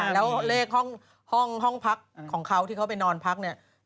แล้วเลขห้องพักของเขาที่เขาไปนอนพักเนี่ย